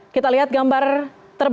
kita lihat gambar terbang